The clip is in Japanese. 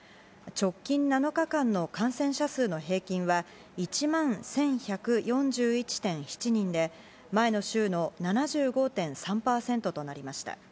直近７日間の感染者数の平均は１万１１４１．７人で前の週の７５．３％となりました。